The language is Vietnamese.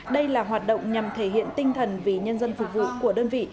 đây là hoạt động nhằm thể hiện tinh thần vì nhân dân phục vụ của đơn vị